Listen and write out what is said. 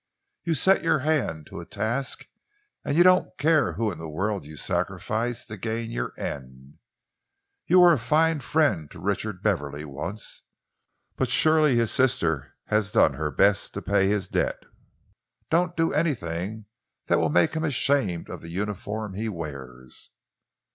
You set your hand to a task and you don't care whom in the world you sacrifice to gain your end. You were a fine friend to Richard Beverley once, but surely his sister has done her best to pay his debt? Don't do anything that will make him ashamed of the uniform he wears."